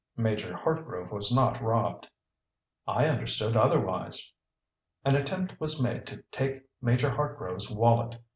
Major Hartgrove was not robbed." "I understood otherwise." "An attempt was made to take Major Hartgrove's wallet.